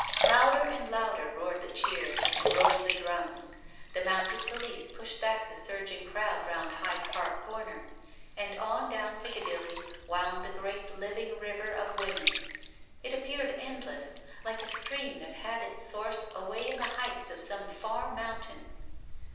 Louder and louder roared the cheers and rolled the drums. The mounted police pushed back the surging crowd round Hyde Park Corner, and on down Picca dilly wound the great living river of women. It ap peared endless, like a stream that had its source away in the heights of some far mountain.